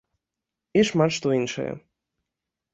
І шмат што іншае.